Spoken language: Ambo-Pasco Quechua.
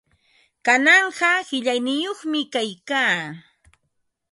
Kananqa qillayniyuqmi kaykaa.